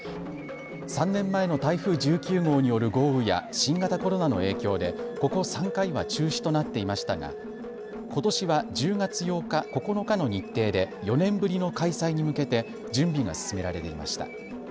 ３年前の台風１９号による豪雨や新型コロナの影響でここ３回は中止となっていましたがことしは１０月８日、９日の日程で４年ぶりの開催に向けて準備が進められていました。